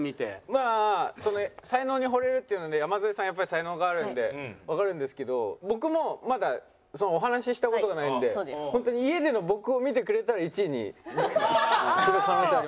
まあ才能にほれるっていうので山添さんやっぱり才能があるんでわかるんですけど僕もまだお話しした事がないんで本当に家での僕を見てくれたら１位にする可能性あります。